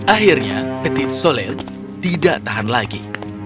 akhirnya petit solet tidak tahan lagi